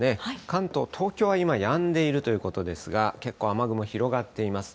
関東、東京は今、やんでいるということですが、結構雨雲広がっています。